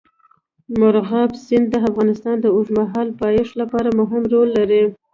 مورغاب سیند د افغانستان د اوږدمهاله پایښت لپاره مهم رول لري.